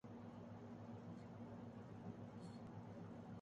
کوئی تحفظات ہوں ورکر کو تو وہ بھی کوئی نہیں ملتا